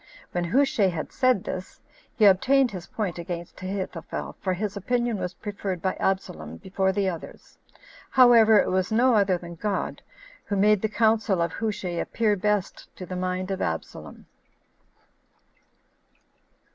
When Hushai had said this, he obtained his point against Ahithophel, for his opinion was preferred by Absalom before the other's: however, it was no other than God 17 who made the counsel of Hushai appear best to the mind of Absalom.